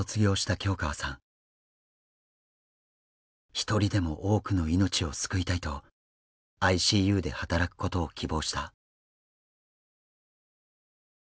一人でも多くの命を救いたいとＩＣＵで働くことを希望した。